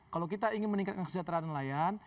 kalau kita ingin meningkatkan kesejahteraan nelayan